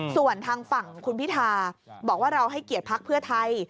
ส่วนทางฝั่งคุณพิธาบอกว่าเราให้เกียรติภักดิ์เพื่อไทย